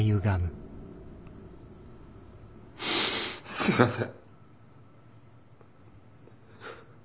すいません。